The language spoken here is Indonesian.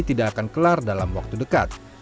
tidak akan kelar dalam waktu dekat